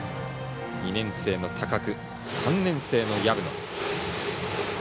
２年生の高久３年生の薮野。